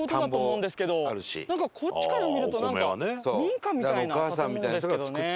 こっちから見るとなんか民家みたいな建物ですけどね。